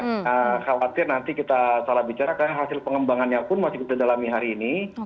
khawatir nanti kita salah bicara karena hasil pengembangannya pun masih kita dalami hari ini